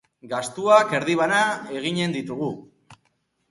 Gastuak erdi bana eginen ditugu.